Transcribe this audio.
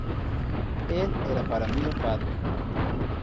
Él era para mí un padre.